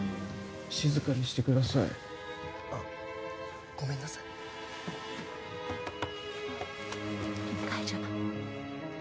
静かにしてくださいあっごめんなさいダイジョブ？